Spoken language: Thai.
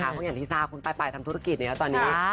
เพราะอย่างที่ทราบคุณป้ายทำธุรกิจตอนนี้